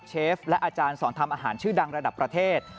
เชฟและอาจารย์สอนทำอาหารชื่อดังระดับประเทศ